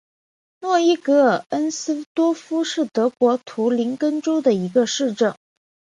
诺伊格尔恩斯多夫是德国图林根州的一个市镇。